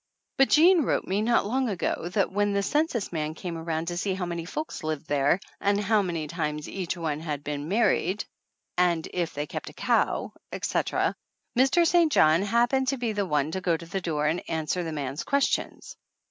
But Jean wrote me not long ago that when the census man came around to see how many folks lived there and how many times each one had been married and if they kept a cow, etc., Mr. St. John hap pened to be the one to go to the door and answer the man's questions.